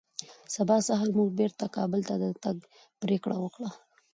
سبا سهار مو بېرته کابل ته د تګ پرېکړه وکړه